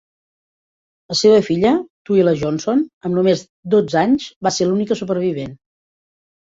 La seva filla, Twila Johnson, amb només dotze anys, va ser l'única supervivent.